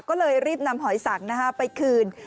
ก็เลยรีบนำหอยสังไปคืน